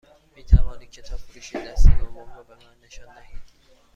می توانید کتاب فروشی دست دوم رو به من نشان دهید؟